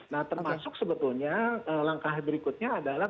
nah termasuk sebetulnya langkah berikutnya adalah